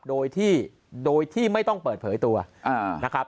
โดยที่ไม่ต้องเปิดเผยตัวนะครับ